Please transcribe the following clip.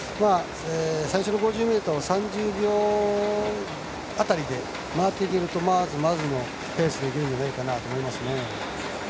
最初の５０ｍを３０秒辺りで回っていけるとまずまずのペースでいけるんじゃないかと思いますね。